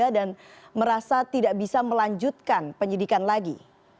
dan merasa tidak bisa melanjutkan penyidikan lagi